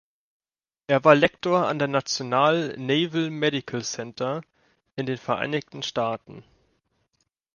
Er war Lektor an der National Naval Medical Center in den Vereinigten Staaten.